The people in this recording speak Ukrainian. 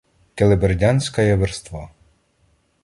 Келебердянськая верства!